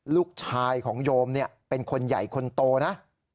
ลูกชายของโยมเป็นคนใหญ่คนโตนะ